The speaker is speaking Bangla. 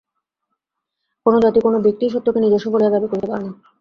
কোন জাতি, কোন ব্যক্তিই সত্যকে নিজস্ব বলিয়া দাবী করিতে পারে না।